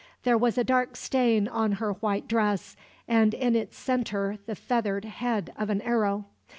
There was a dark stain on her white dress, and in its center the feathered head of an arrow.